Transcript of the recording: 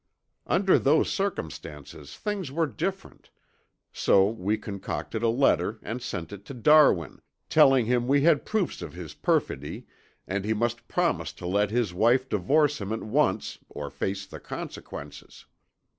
"Under those circumstances things were different, so we concocted a letter and sent it to Darwin, telling him we had proofs of his perfidy, and he must promise to let his wife divorce him at once or face the consequences.